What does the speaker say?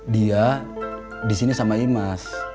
dia disini sama imas